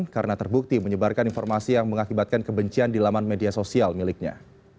karena terbukti menyebarkan informasi yang mengakibatkan kebencian di laman media sosial miliknya